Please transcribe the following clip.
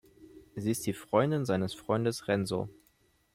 Sie ist die Freundin seines Freundes Renzo.